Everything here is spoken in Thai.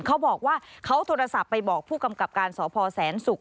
เขาบอกว่าเขาโทรศัพท์ไปบอกผู้กำกับการสพแสนศุกร์